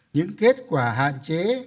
những kết quả hạn chế